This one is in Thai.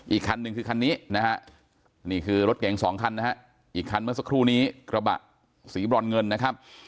อีกคันหนึ่งคือคันนี้นะฮะนี่คือรถเก่งสองคันนะฮะอีกคันเมื่อสักครู่นี้กระบะสีบรอนเงินนะครับ